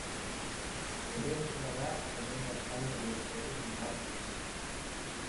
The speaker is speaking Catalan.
Veniu a celebrar el desè aniversari de la Viquipèdia amb nosaltres!